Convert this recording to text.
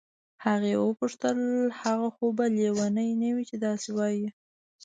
هغې وپوښتل هغه خو به لیونی نه وي چې داسې وایي.